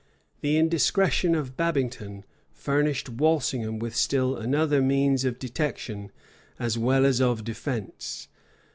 The indiscretion of Babington furnished Walsingham with still another means of detection, as well as of defence.